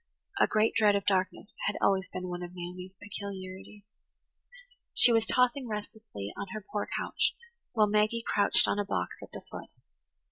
A great dread of darkness had always been one of Naomi's peculiarities. She was tossing restlessly on her poor couch, while Maggie crouched on a box at the foot.